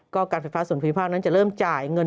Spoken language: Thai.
ก็การไฟฟ้าส่วนภูมิภาคนั้นจะเริ่มจ่ายเงิน